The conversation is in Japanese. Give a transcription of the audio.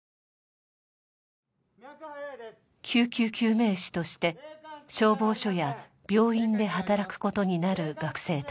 救急救命士として消防署や病院で働くことになる学生たち。